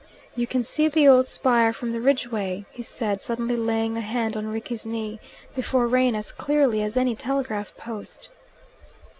"You can see the old spire from the Ridgeway," he said, suddenly laying a hand on Rickie's knee, "before rain as clearly as any telegraph post."